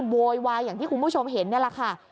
โวยวายอย่างที่คุณผู้ชมเห็นนี่แหละค่ะ